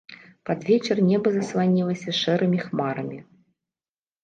Пад вечар неба засланілася шэрымі хмарамі.